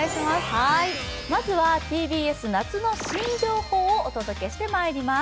まずはＴＢＳ夏の新情報をお届けしてまいります。